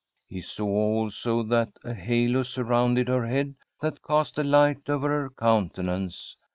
He saw also that a halo surrounded her head that cast a light over her countenance.